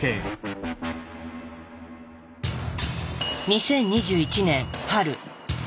２０２１年春。